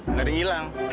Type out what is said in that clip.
nggak ada yang hilang